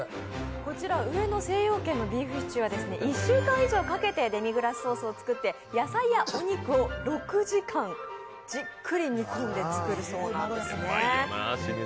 こちら上野精養軒のビーフシチューは１週間以上かけてデミグラスソースを作って野菜やお肉を６時間、じっくり煮込んで作るそうなんですね。